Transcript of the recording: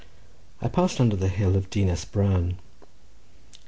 I passed under the hill of Dinas Bran.